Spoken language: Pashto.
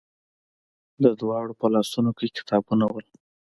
د دواړو په لاسونو کې کتابونه وو.